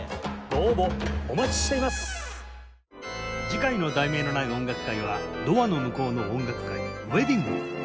次回の『題名のない音楽会』は「ドアの向こうの音楽会ウェディング」